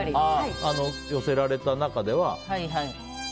寄せられた中では。